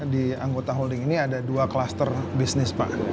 di anggota holding ini ada dua klaster bisnis pak